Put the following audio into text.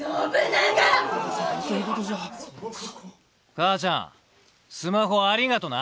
母ちゃんスマホありがとな。